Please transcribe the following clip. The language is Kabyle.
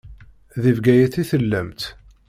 Deg Bgayet i tellamt.